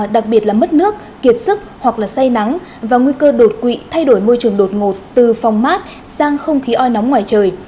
đặc biệt là mất nước kiệt sức hoặc là say nắng và nguy cơ đột quỵ thay đổi môi trường đột ngột từ phòng mát sang không khí oi nóng ngoài trời